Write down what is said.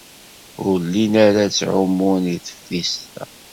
Ur llin ara ttɛumun deg teftist-a.